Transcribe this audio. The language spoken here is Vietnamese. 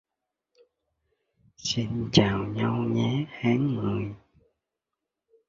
Xin chào nhau nhé tháng mười